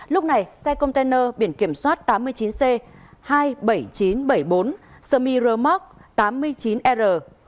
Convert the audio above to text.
lúc này xe container biển kiểm soát tám mươi chín c hai mươi bảy nghìn chín trăm bảy mươi bốn semi r mark tám mươi chín r một nghìn tám trăm năm mươi bốn